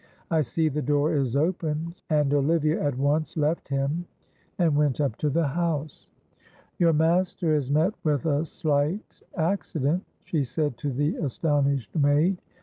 I see the door is open," and Olivia at once left him and went up to the house. "Your master has met with a slight accident," she said to the astonished maid.